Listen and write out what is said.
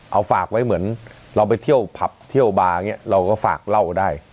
เอาฝากไว้เหมือนเราไปเที่ยวผับเที่ยวบาร์อย่างนี้เราก็ฝากเล่าได้